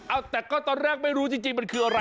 เอาแต่ก็ตอนแรกไม่รู้จริงมันคืออะไร